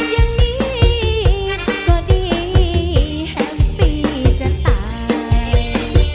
อย่างนี้ก็ดีแฮปปี้จะตาย